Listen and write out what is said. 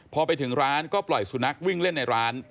พอไปถึงร้านก็ปล่อยสุนัขวิ่งเล่นในร้าน